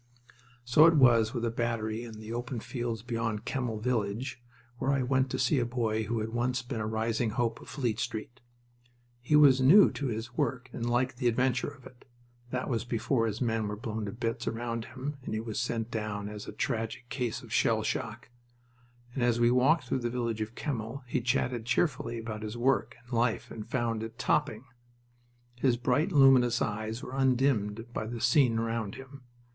So it was with a battery in the open fields beyond Kemmel village, where I went to see a boy who had once been a rising hope of Fleet Street. He was new to his work and liked the adventure of it that was before his men were blown to bits around him and he was sent down as a tragic case of shell shock and as we walked through the village of Kemmel he chatted cheerfully about his work and life and found it topping. His bright, luminous eyes were undimmed by the scene around him.